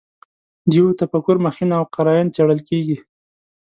د یوه تفکر مخینه او قراین څېړل کېږي.